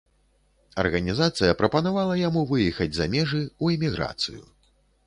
Арганізацыя прапанавала яму выехаць за межы, у эміграцыю.